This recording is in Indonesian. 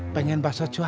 pengen baso cuanki